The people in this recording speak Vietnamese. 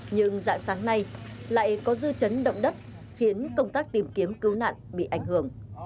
nhưng dạng sáng nay lại có dư chấn động đất khiến công tác tìm kiếm cứu nạn bị ảnh hưởng